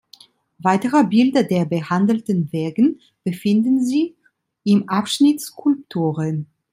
Weitere Bilder der behandelten Werke befinden sich im Abschnitt Skulpturen.